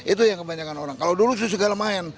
itu yang kebanyakan orang kalau dulu sih segala main